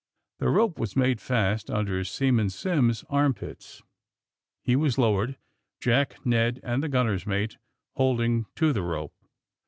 The rope was made fast under Seaman Simms's armpits. He was lowered. Jack, Ned and the gunner's mate holding to the rope.